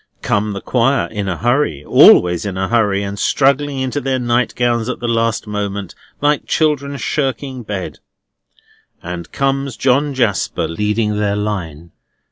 Come the Choir in a hurry (always in a hurry, and struggling into their nightgowns at the last moment, like children shirking bed), and comes John Jasper leading their line.